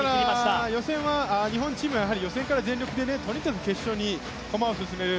ですから予選は日本チームは予選から全力でとにかく決勝に駒を進める。